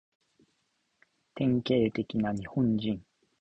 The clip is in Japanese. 典型的な日本人